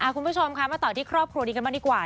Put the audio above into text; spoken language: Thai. คุณผู้ชมค่ะมาต่อที่ครอบครัวนี้กันบ้างดีกว่า